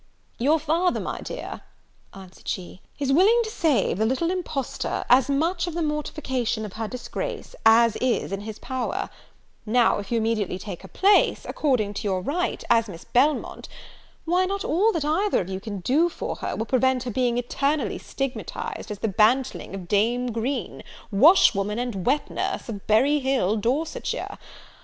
"Your father, my dear," answered she, "is willing to save the little impostor as much of the mortification of her disgrace as is in his power; now, if you immediately take her place, according to your right, as Miss Belmont, why, not all that either of you can do for her, will prevent her being eternally stigmatized as the bantling of Dame Green, wash woman and wet nurse, of Berry Hill, Dorsetshire.